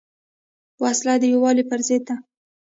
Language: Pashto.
وسله د یووالي پر ضد ده